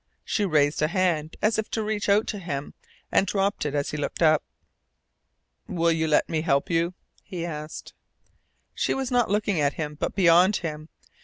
She raised a hand, as if to reach out to him, and dropped it as he looked up. "Will you let me help you?" he asked. She was not looking at him, but beyond him.